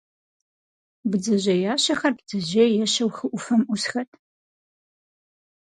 Бдзэжьеящэхэр бдзэжьей ещэу хы Ӏуфэм Ӏусхэт.